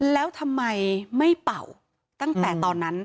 แล้วทำไมไม่เป่าตั้งแต่ตอนนั้น